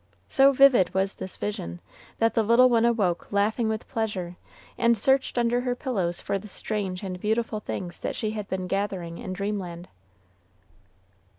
So vivid was this vision, that the little one awoke laughing with pleasure, and searched under her pillows for the strange and beautiful things that she had been gathering in dreamland.